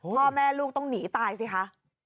พ่อแม่ลูกต้องหนีตายสิคะ